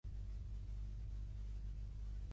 Es diu Guillermo: ge, u, i, ela, ela, e, erra, ema, o.